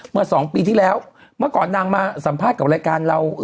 เมื่อสองปีที่แล้วเมื่อก่อนนางมาสัมภาษณ์กับรายการเรา